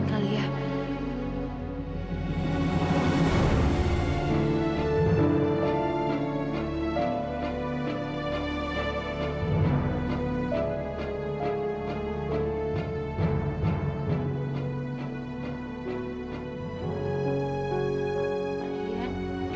kenapa dia anak anak diragam